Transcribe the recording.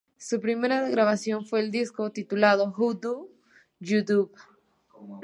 Su primera grabación fue el disco titulado "How Do You Dub?